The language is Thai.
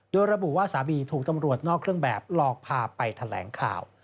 โดยระบุว่าสามีถูกตำรวจนอกเครื่องแบบหลอกพาไปแถลงข่าว